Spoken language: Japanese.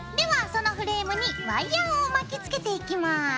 そのフレームにワイヤーを巻きつけていきます。